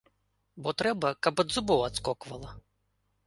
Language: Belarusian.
Бо трэба, каб ад зубоў адскоквала!